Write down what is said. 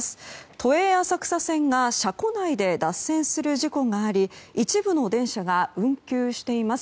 都営浅草線が車庫内で脱線する事故があり一部の電車が運休しています。